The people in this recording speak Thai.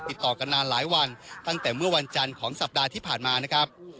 ติดต่อกันนานหลายวันตั้งแต่เมื่อวันจันทร์ของสัปดาห์ที่ผ่านมานะครับ